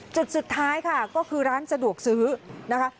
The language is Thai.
จุดสุดท้ายค่ะก็คือร้านสะดวกซื้อนะคะ